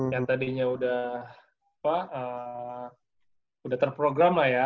yang tadinya udah apa udah terprogram lah ya